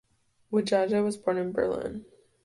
Widjaja was born in Berlin.